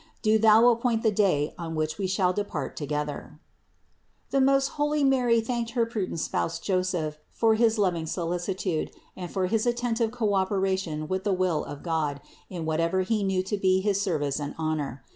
Do Thou appoint the day on which we shall depart together." 196. The most holy Mary thanked her prudent spouse Joseph for his loving solicitude and for his attentive co operation with the will of God in whatever he knew to be for his service and honor.